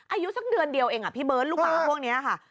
อายุสักเดือนเดียวเองอ่ะพี่เบิร์ดลูกหมาพวกนี้ค่ะ